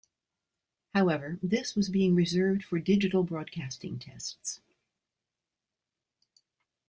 However, this was being reserved for digital broadcasting tests.